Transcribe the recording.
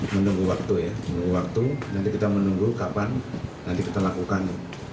menunggu waktu ya menunggu waktu nanti kita menunggu kapan nanti kita lakukan